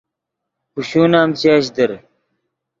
کوشون ام چش در